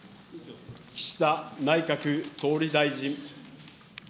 岸田内閣総理大臣。